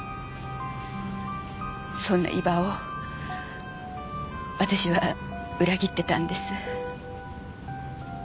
そんな伊庭を私は裏切ってたんです。